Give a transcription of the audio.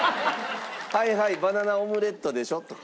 「はいはいバナナオムレットでしょ」とか。